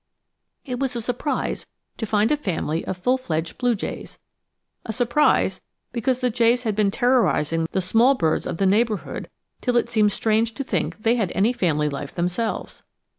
It was a surprise to find a family of full fledged blue jays a surprise, because the jays had been terrorizing the small birds of the neighborhood till it seemed strange to think they had any family life themselves.